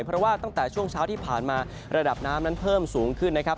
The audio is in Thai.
เพราะว่าตั้งแต่ช่วงเช้าที่ผ่านมาระดับน้ำนั้นเพิ่มสูงขึ้นนะครับ